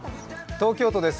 東京都です。